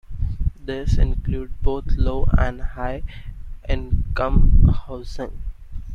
These include both low and high income housing.